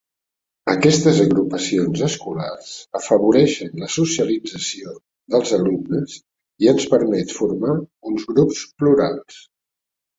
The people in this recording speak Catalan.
Aquestes agrupacions escolars afavoreixen la socialització dels alumnes i ens permet formar uns grups plurals.